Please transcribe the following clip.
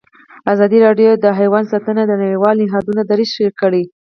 ازادي راډیو د حیوان ساتنه د نړیوالو نهادونو دریځ شریک کړی.